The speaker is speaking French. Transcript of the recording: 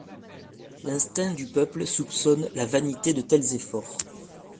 L'instinct du peuple soupçonne la vanité de tels efforts.